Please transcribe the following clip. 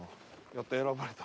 やった選ばれた。